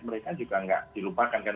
mereka juga tidak dilupakan